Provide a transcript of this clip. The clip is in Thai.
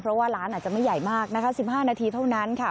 เพราะว่าร้านอาจจะไม่ใหญ่มากนะคะ๑๕นาทีเท่านั้นค่ะ